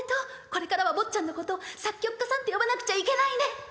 これからは坊ちゃんのこと作曲家さんって呼ばなくちゃいけないね」。